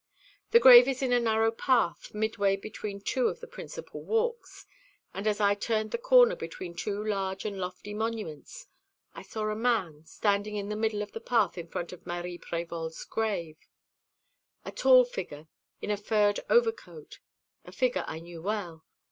The grave is in a narrow path, midway between two of the principal walks; and as I turned the corner between two large and lofty monuments, I saw a man standing in the middle of the path in front of Marie Prévol's grave. A tall figure, in a furred overcoat, a figure I knew well.